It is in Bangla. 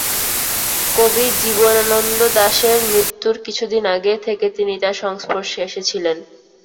কবি জীবনানন্দ দাশের মৃত্যুর কিছুদিন আগে থেকে তিনি তাঁর সংস্পর্শে এসেছিলেন।